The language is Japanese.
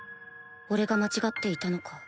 俺が間違っていたのか？